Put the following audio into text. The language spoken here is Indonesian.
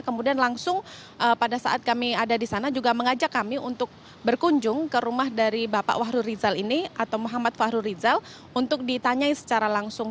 kemudian langsung pada saat kami ada di sana juga mengajak kami untuk berkunjung ke rumah dari bapak wahru rizal ini atau muhammad fahru rizal untuk ditanyai secara langsung